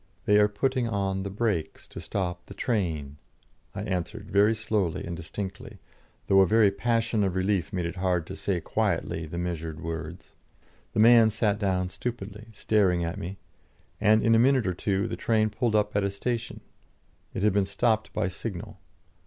"They are putting on the brakes to stop the train," I answered very slowly and distinctly, though a very passion of relief made it hard to say quietly the measured words. The man sat down stupidly, staring at me, and in a minute or two the train pulled up at a station it had been stopped by signal.